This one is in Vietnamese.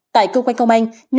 tại công an